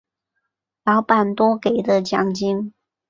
老板多给的奖金